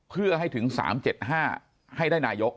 เพื่อให้ถึง๓๗๕ให้ได้นายก